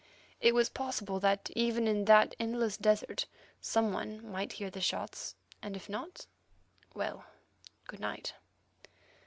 It was possible that, even in that endless desert, some one might hear the shots, and if not—well, good night.